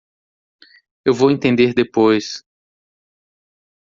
Eu vou entender depois